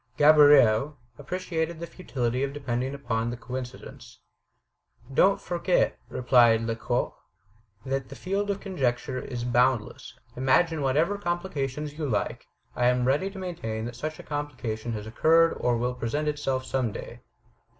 Gaboriau appreciated the futility of depending upon the coincidence: "Don't forget," replied Lecoq, "that the field of conjecture is boundless. Imagine whatever complication you like, I am ready to maintain that such a complication has occurred or will present itself some day.